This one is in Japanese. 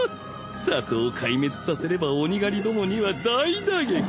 里を壊滅させれば鬼狩りどもには大打撃。